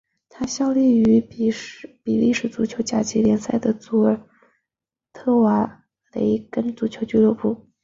他现在效力于比利时足球甲级联赛的祖尔特瓦雷根足球俱乐部。